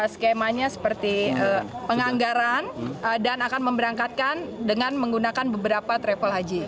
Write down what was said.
skemanya seperti penganggaran dan akan memberangkatkan dengan menggunakan beberapa travel haji